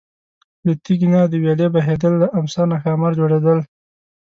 له تیږې نه د ویالې بهیدل، له امسا نه ښامار جوړېدل.